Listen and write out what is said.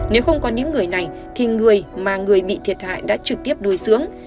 nếu không có những người này thì người mà người bị thiệt hại đã trực tiếp nuôi dưỡng